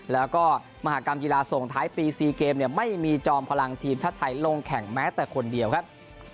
แล้วก็มหากรรมกีฬาส่งท้ายปี๔เกมเนี่ยไม่มีจอมพลังทีมชาติไทยลงแข่งแม้แต่คนเดียวครับ